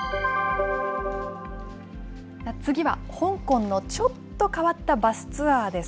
次は香港のちょっと変わったバスツアーです。